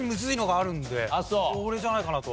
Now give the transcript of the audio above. それじゃないかなと。